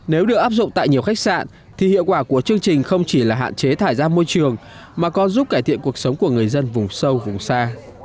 nếu được áp dụng tại nhiều khách sạn thì hiệu quả của chương trình không chỉ là hạn chế thải ra môi trường mà còn giúp cải thiện cuộc sống của người dân vùng sâu vùng xa